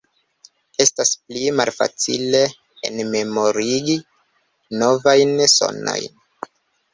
Estas pli malfacile enmemorigi novajn sonojn.